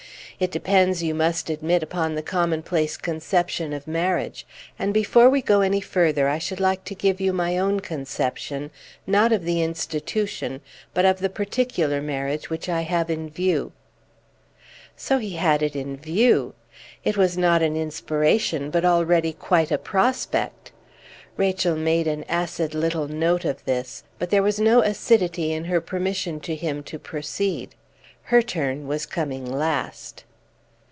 It depends, you must admit, upon the commonplace conception of marriage; and before we go any further I should like to give you my own conception, not of the institution, but of the particular marriage which I have in view." So he had it in view! It was not an inspiration, but already quite a prospect! Rachel made an acid little note of this; but there was no acidity in her permission to him to proceed; her turn was coming last.